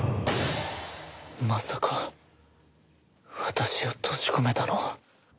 まさか私を閉じ込めたのは。